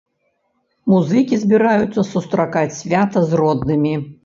Музыкі збіраюцца сустракаць свята з роднымі.